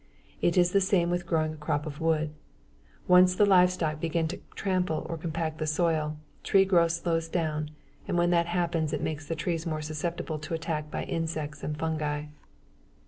It is the same with growing a crop of wood. Once the livestock begin to trample or compact the soil, tree growth slows down and when that happens it makes the tree more susceptible to attack by insects and fungi.